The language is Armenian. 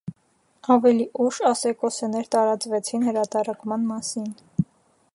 Ավելի ուշ ասեկոսեներ տարածվեցին հրատարակման մասին։